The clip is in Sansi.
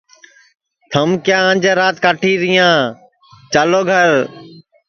تھم کیا انجے رات کاٹیریاں چالو گھر